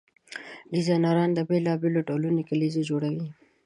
ډیزاینران بیلابیل ډولونه کلیزې جوړوي.